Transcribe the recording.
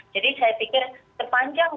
jadi saya pikir sepanjang